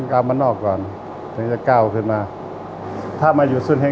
สวัสดีครับผมชื่อสามารถชานุบาลชื่อเล่นว่าขิงถ่ายหนังสุ่นแห่ง